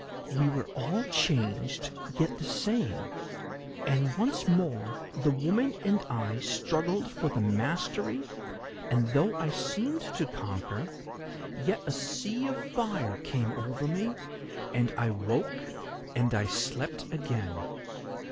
We were all changed, yet the same, and once more the woman and I struggled for the mastery, and though I seemed to conquer, yet a sea of fire came over me, and I woke and I slept again.